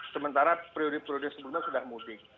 sementara prioritas prioritas sebelumnya sudah mudik